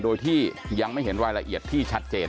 โดยที่ยังไม่เห็นรายละเอียดที่ชัดเจน